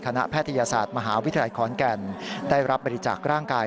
แพทยศาสตร์มหาวิทยาลัยขอนแก่นได้รับบริจาคร่างกาย